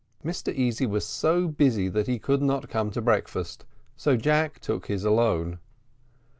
Mr Easy was so busy that he could not come to breakfast, so Jack took his atone.